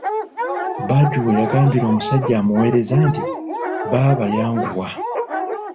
Badru we yagambira omusajja omuweereza nti:"baaba yanguwa"